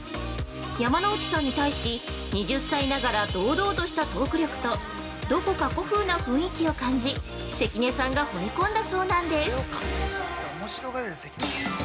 山之内さんに対し、２０歳ながら堂々としたトーク力とどこか古風な雰囲気を感じ、関根さんがほれ込んだそうなんです。